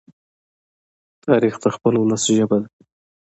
تاریخ د خپل ولس ژبه ده.